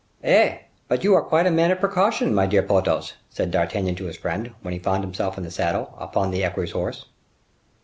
"Eh! but you are quite a man of precaution, my dear Porthos," said D'Artagnan to his friend, when he found himself in the saddle, upon the equerry's horse.